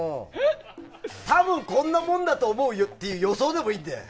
多分こんなもんだと思うよという予想でもいいので。